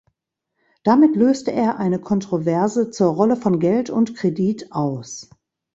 Damit löste er eine Kontroverse zur Rolle von Geld und Kredit aus.